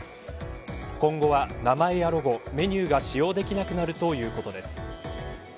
今後は、名前やロゴメニューが使用できなくなるということです。